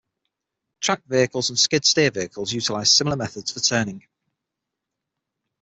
Tracked vehicles and skid steer vehicles utilize similar methods for turning.